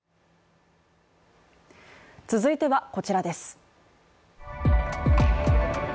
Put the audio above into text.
続いてはこちらです。